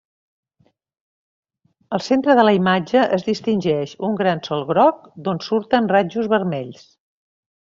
Al centre de la imatge, es distingeix un gran sol groc, d'on surten rajos vermells.